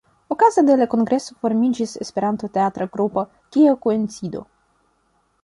Okaze de la kongreso formiĝis Esperanto-teatra grupo "Kia koincido".